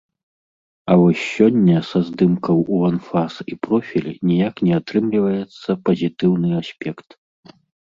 А вось сёння са здымкаў у анфас і профіль ніяк не атрымліваецца пазітыўны аспект.